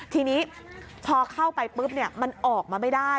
ทีนี้พอเข้าไปปุ๊บมันออกมาไม่ได้